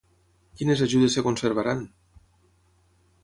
Quines ajudes es conservaran?